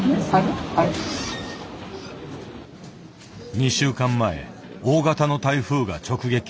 ２週間前大型の台風が直撃。